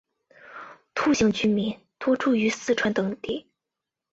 兔姓居民多住于四川等地。